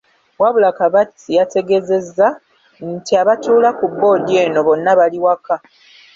Wabula Kabatsi yategeezezza nti abatuula ku bboodi eno bonna bali waka.